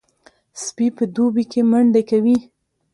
سپي په دوبي کې منډې کوي.